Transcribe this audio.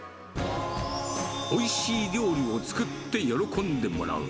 おいしい料理を作って喜んでもらう。